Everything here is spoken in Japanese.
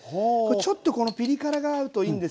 ちょっとこのピリ辛があるといいんですよ。